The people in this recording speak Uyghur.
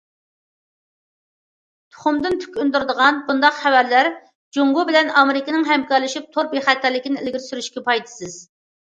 تۇخۇمدىن تۈك ئۈندۈرىدىغان بۇنداق خەۋەرلەر جۇڭگو بىلەن ئامېرىكىنىڭ ھەمكارلىشىپ تور بىخەتەرلىكىنى ئىلگىرى سۈرۈشىگە پايدىسىز.